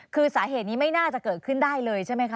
คือสาเหตุนี้ไม่น่าจะเกิดขึ้นได้เลยใช่ไหมคะ